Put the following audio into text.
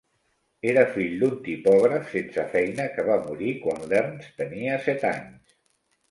Era fill d'un tipògraf sense feina, que va morir quan l'Ernst tenia set anys.